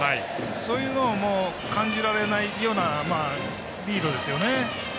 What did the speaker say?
そういうのを感じられないようなリードですよね。